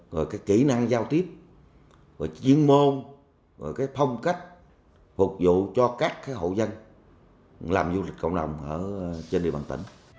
rồi cái kỹ năng giao tiếp rồi chuyên môn rồi cái phong cách phục vụ cho các hộ dân làm du lịch cộng đồng ở trên địa bàn tỉnh